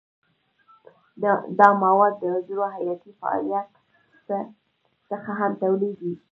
دا مواد د حجرو حیاتي فعالیت څخه هم تولیدیږي.